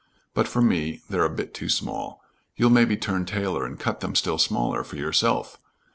But for me they're a bit too small. You'll maybe turn tailor and cut them still smaller for yourself.